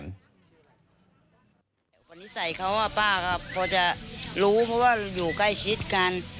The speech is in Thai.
แต่วันนี้ใส่เขาป้าก็พอจะรู้เพราะว่าอยู่ใกล้ชิดกัน